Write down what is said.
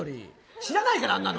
知らないから、あんなの。